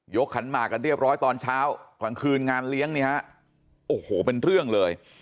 ขันหมากกันเรียบร้อยตอนเช้ากลางคืนงานเลี้ยงเนี่ยฮะโอ้โหเป็นเรื่องเลย